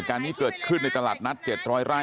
แล้วป้าไปติดหัวมันเมื่อกี้แล้วป้าไปติดหัวมันเมื่อกี้